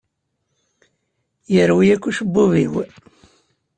Yerwi akk ucebbub-inu.